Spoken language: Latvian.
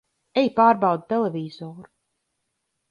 Ej pārbaudi televizoru!